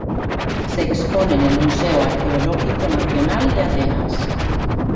Se expone en el Museo Arqueológico Nacional de Atenas.